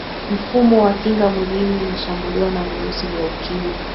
mfumo wa kinga mwili unashambuliwa na virusi vya ukimwi